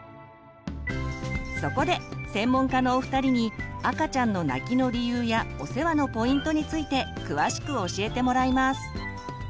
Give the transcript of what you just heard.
そこで専門家のお二人に赤ちゃんの泣きの理由やお世話のポイントについて詳しく教えてもらいます。